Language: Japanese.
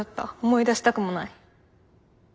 思い出したくもない。